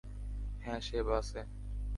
হ্যাঁ সে বাসে।